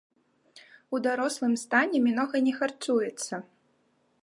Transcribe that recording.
У дарослым стане мінога не харчуецца.